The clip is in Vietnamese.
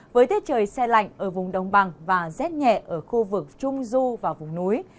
với tiết trời xe lạnh ở vùng đông bằng và rét nhẹ ở khu vực trung du và vùng núi